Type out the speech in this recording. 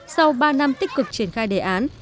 như vậy là năm năm thì có ba mươi tỷ tiền đầu tư hạ tầng